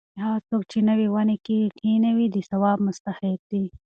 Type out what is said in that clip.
هغه څوک چې نوې ونې کښېنوي د ثواب مستحق دی.